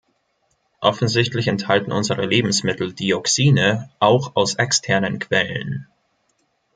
Offensichtlich enthalten unsere Lebensmittel Dioxine auch aus externen Quellen.